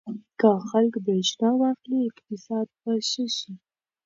که خلک برېښنا واخلي اقتصاد به ښه شي.